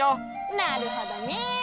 なるほどね。